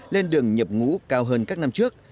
lên đường nhập ngũ cao hơn các năm trước